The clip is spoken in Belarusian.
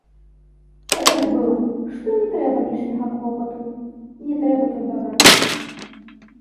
Рад быў, што не трэба лішняга клопату, не трэба турбавацца.